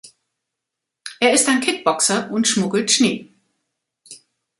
Er ist ein Kickboxer und schmuggelt Schnee.